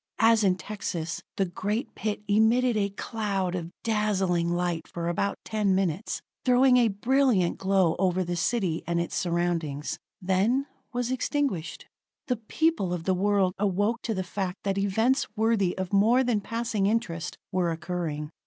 As in Texas, the great pit emitted a cloud of dazzling light for about ten minutes, throwing a brilliant glow over the city and its surroundings; then was extinguished. The people of the world awoke to the fact that events worthy of more than passing interest were occurring.